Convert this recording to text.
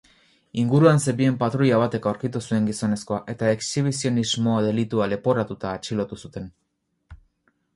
Inguruan zebilen patruila batek aurkitu zuen gizonezkoa eta exhibizionismo delitua leporatuta atxilotu zuten.